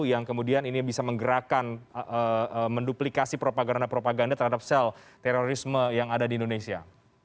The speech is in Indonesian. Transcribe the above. yang kemudian ini bisa menggerakkan menduplikasi propaganda propaganda terhadap sel terorisme yang ada di indonesia